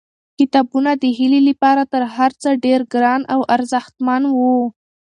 کتابونه د هیلې لپاره تر هر څه ډېر ګران او ارزښتمن وو.